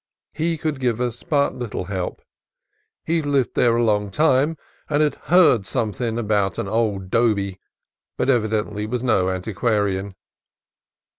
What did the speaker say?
He could give us little help: had lived there a long time, and had "heerd somethin' about an old 'dobe," but evidently was no antiquarian.